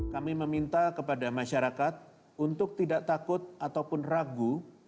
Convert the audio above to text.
kami meminta kepada masyarakat untuk tidak takut ataupun ragu